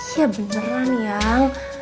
iya beneran yang